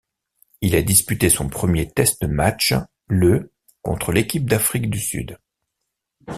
Il a disputé son premier test match le contre l'équipe d'Afrique du Sud.